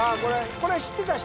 これ知ってた人？